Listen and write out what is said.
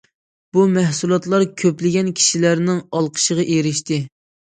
بۇ مەھسۇلاتلار كۆپلىگەن كىشىلەرنىڭ ئالقىشىغا ئېرىشتى.